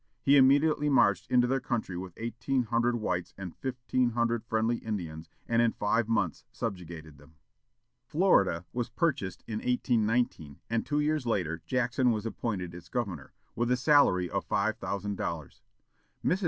He immediately marched into their country with eighteen hundred whites and fifteen hundred friendly Indians, and in five months subjugated them. Florida was purchased in 1819, and two years later Jackson was appointed its governor, with a salary of five thousand dollars. Mrs.